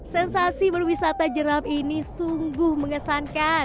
sensasi berwisata jeram ini sungguh mengesankan